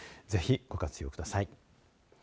ぜひ、ご活用ください。